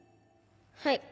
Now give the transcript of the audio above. はい。